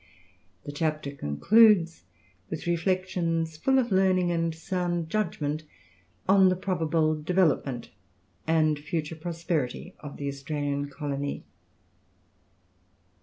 The chapter concludes with reflections full of learning and sound judgment on the probable development and future prosperity of the Australian colony.